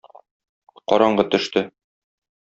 Караңгы төште.